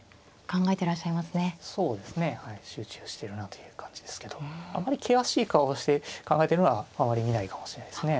集中しているなという感じですけどあまり険しい顔をして考えているのはあまり見ないかもしれないですね。